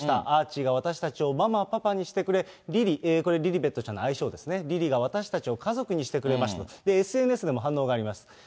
アーチーが私たちをママ、パパにしてくれ、リリ、これ、リリベットちゃんの愛称ですね、リリが私たちを家族にしてくれましたと、ＳＮＳでも反応がありました。